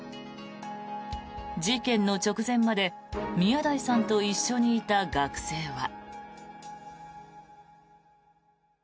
事件の直前まで宮台さんと一緒にいた学生は。